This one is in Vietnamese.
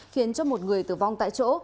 khiến một người tử vong tại chỗ